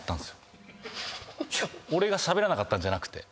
俺がしゃべらなかったんじゃなくて。